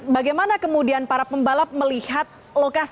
bagaimana kemudian para pembalap melihat lokasi